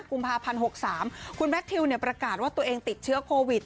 กุมภาพันธ์๖๓คุณแมททิวประกาศว่าตัวเองติดเชื้อโควิด